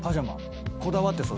こだわってそうですね。